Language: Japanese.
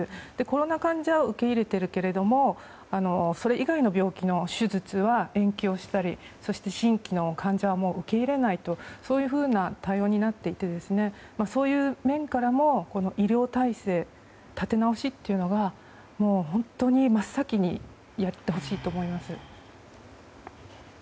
コロナ患者は受けれているけれどもそれ以外の病気手術は延期をしたり新規の患者を受け入れないとかそういうふうな対応になっていてそういう面からも医療体制の立て直しというのは本当に真っ先にやってほしいと思います。